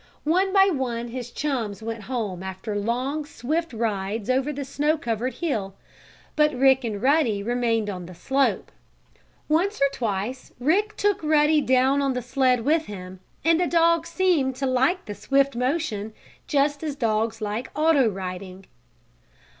One by one his chums went home after long, swift rides over the snow covered hill, but Rick and Ruddy remained on the slope. One or twice Rick took Ruddy down on the sled with him, and the dog seemed to like the swift motion, just as dogs like auto riding.